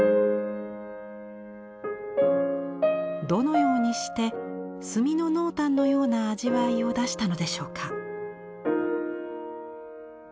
どのようにして墨の濃淡のような味わいを出したのでしょうか。